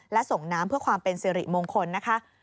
และส่งน้ำเพื่อความเป็นสิริมงคลนะคะ